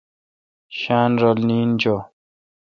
شاین رل نین چو۔